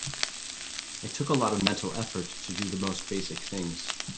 It took a lot of mental effort to do the most basic things.